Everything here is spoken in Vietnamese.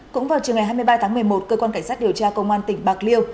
cũng vào chiều ngày hai mươi ba tháng một mươi một cơ quan cảnh sát điều tra công an tỉnh bạc liêu